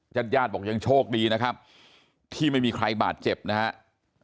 ญาติญาติบอกยังโชคดีนะครับที่ไม่มีใครบาดเจ็บนะครับ